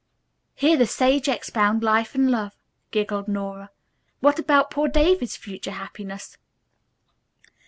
"Hear the sage expound life and love," giggled Nora. "What about poor David's future happiness?"